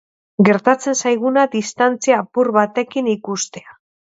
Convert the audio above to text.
Gertatzen zaiguna distantzia apur batekin ikustea.